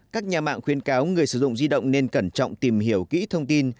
các nhà mạng khuyến cáo người sử dụng di động nên cẩn trọng tìm hiểu kỹ thông tin